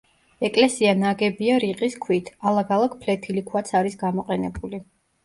ეკლესია ნაგებია რიყის ქვით; ალაგ-ალაგ ფლეთილი ქვაც არის გამოყენებული.